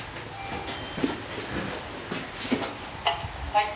「はい」